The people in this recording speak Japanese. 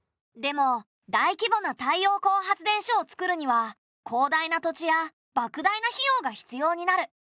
でも大規模な太陽光発電所をつくるには広大な土地やばく大な費用が必要になる。